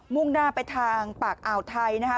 ่งหน้าไปทางปากอ่าวไทยนะคะ